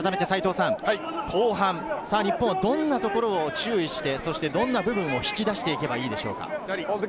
後半、日本はどんなところを注意して、どんな部分を引き出していけばいいでしょうか？